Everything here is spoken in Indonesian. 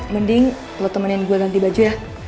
mending kalau temenin gue nanti baju ya